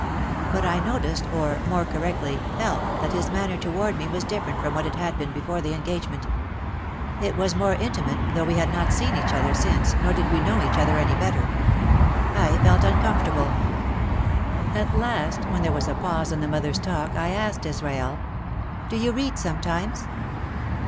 But I noticed, or, more correctly, felt that his manner toward me was different from what it had been before the engagement. It was more intimate though we had not seen each other since nor did we know each other any better. I felt uncomfortable. At last, when there was a pause in the mother's talk I asked Israel, "Do you read sometimes?"